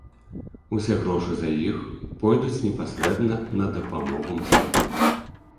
Усе грошы за іх пойдуць непасрэдна на дапамогу мастаку.